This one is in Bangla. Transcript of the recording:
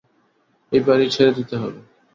এই বাড়ি ছেড়ে দিতে হবে!